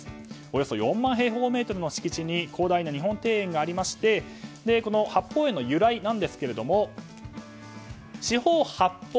およそ４万平方メートルの敷地に広大な日本庭園がありましてこの八芳園の由来なんですけど四方八方